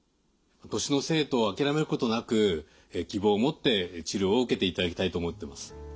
年のせいと諦めることなく希望を持って治療を受けていただきたいと思ってます。